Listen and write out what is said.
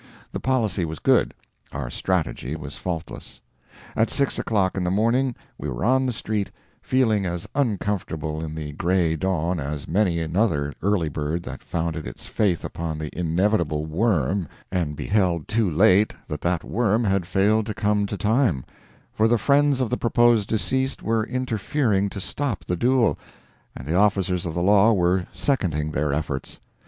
The policy was good—our strategy was faultless. At six o'clock in the morning we were on the street, feeling as uncomfortable in the gray dawn as many another early bird that founded its faith upon the inevitable worm and beheld too late that that worm had failed to come to time, for the friends of the proposed deceased were interfering to stop the duel, and the officers of the law were seconding their efforts.